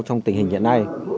trong tình hình hiện nay